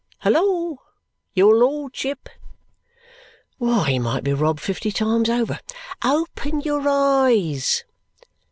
"Halloa, your lordship! Why, he might be robbed fifty times over! Open your eyes!"